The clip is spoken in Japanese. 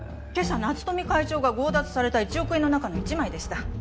今朝夏富会長が強奪された１億円の中の一枚でした。